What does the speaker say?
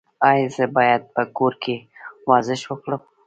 ایا زه باید په کور کې ورزش وکړم؟